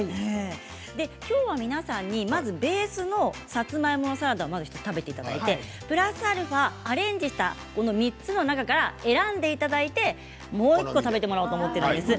今日は皆さんにベースのさつまいもサラダを食べていただいてプラスアルファアレンジした３つの中から選んでいただいて、もう１個食べてみようと思います。